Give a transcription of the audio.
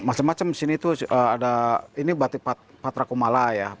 macam macam di sini tuh ada ini batik patra kumala ya